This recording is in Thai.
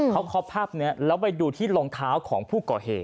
เขาคอปภาพนี้แล้วไปดูที่รองเท้าของผู้ก่อเหตุ